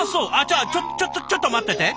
じゃあちょちょっと待ってて！